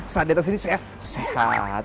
saat dia disini sehat sehat